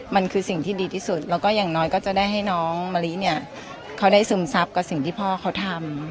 มันคือสิ่งที่ดีที่สุดแล้วก็อย่างน้อยก็จะได้ให้น้องมะลิเนี่ยเขาได้ซึมซับกับสิ่งที่พ่อเขาทำ